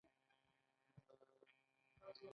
هغې د ښایسته خاطرو لپاره د تاوده سرود سندره ویله.